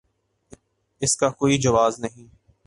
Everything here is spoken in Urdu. اس کا کوئی جواز ہے؟